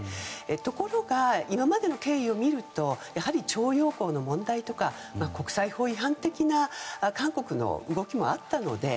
ところが、今までの経緯を見るとやはり徴用工の問題とか国際法違反的な韓国の動きもあったので。